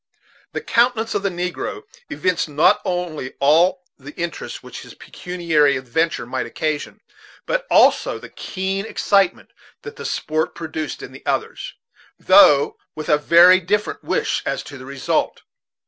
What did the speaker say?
The countenance of the negro evinced not only all the interest which his pecuniary adventure might occasion, but also the keen excitement that the sport produced in the others, though with a very different wish as to the result.